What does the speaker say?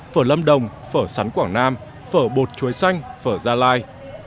phở lâm đồng phở sắn quảng nam phở bột chuối xanh phở gia lai